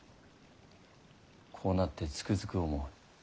こうなってつくづく思う。